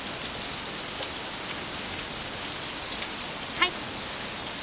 はい。